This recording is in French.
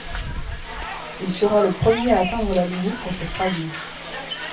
Il sera le premier à atteindre la limite contre Frazier.